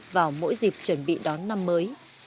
vào mỗi dịp chuẩn bị đón năm mới